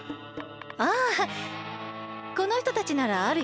ああこのひとたちならあるよ。